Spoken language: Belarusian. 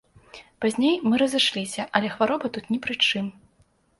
Пазней мы разышліся, але хвароба тут ні пры чым.